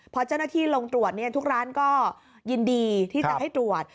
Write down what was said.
พอเจ้าหน้าที่ลงตรวจทุกร้านก็ยินดีที่จะให้ตรวจ